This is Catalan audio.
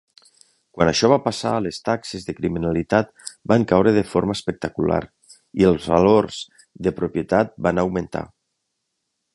Quan això va passar, les taxes de criminalitat van caure de forma espectacular i els valors de propietat van augmentar.